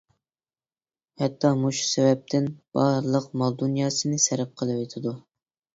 ھەتتا مۇشۇ سەۋەبتىن بارلىق مال-دۇنياسىنى سەرپ قىلىۋېتىدۇ.